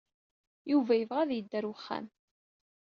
Yuba yebɣa ad yeddu ɣer uxxam.